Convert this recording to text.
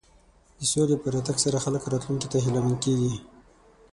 د سولې په راتګ سره خلک راتلونکي ته هیله مند کېږي.